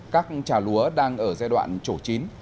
các trà lúa đang ở giai đoạn chỗ chín